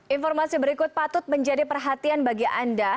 informasi berikut patut menjadi perhatian bagi anda